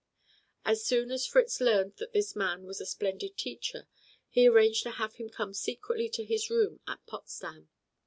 As soon as Fritz learned that this man was a splendid teacher he arranged to have him come secretly to his room at Potsdam.